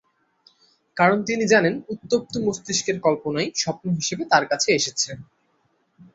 কারণ তিনি জানেন, উত্তপ্ত মস্তিকের কল্পনাই স্বপ্ন হিসেবে তাঁর কাছে এসেছে।